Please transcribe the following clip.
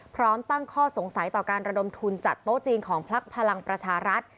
พร้อมตั้งข้อสงสัยต่อการระดมทุนจัดโต๊ะจีนของพักพลังประชารัฐ